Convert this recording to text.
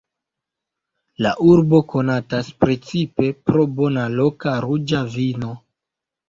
La urbo konatas precipe pro bona loka ruĝa vino.